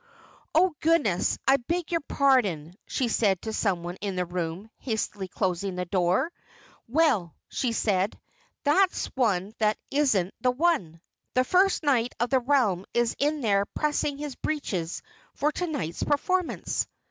"Oh, Goodness! I beg your pardon," she said to someone in the room, hastily closing the door. "Well," she said, "that's one that isn't the one. The First Knight of the Realm is in there pressing his breeches for tonight's performance."